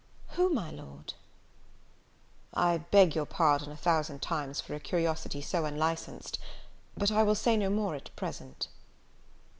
"Who, my Lord?" "I beg your pardon a thousand times for a curiosity so unlicensed; but I will say no more at present."